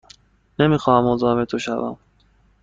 نمی خواهم مزاحم تو شوم.